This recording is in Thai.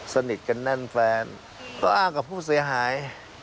สนิทกันแน่นแฟนก็อ้างกับผู้เสียหาย